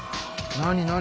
何何？